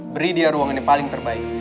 beri dia ruangan yang paling terbaik